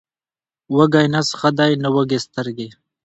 وږی نس ښه دی، نه وږې سترګې.